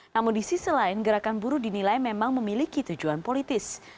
namun di sisi lain gerakan buruh dinilai memang memiliki tujuan politis